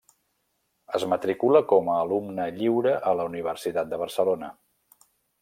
Es matricula com a alumne lliure a la Universitat de Barcelona.